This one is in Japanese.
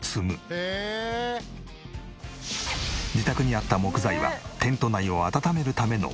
これを自宅にあった木材はテント内を温めるための薪。